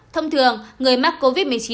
thông thường người mắc covid một mươi chín